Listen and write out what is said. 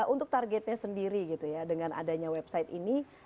untuk targetnya sendiri gitu ya dengan adanya website ini